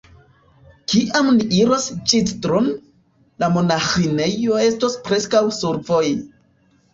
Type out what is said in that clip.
Kiam ni iros Ĵizdro'n, la monaĥinejo estos preskaŭ survoje.